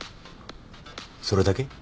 それだけ？